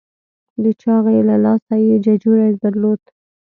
د چاغي له لاسه یې ججوری درلود.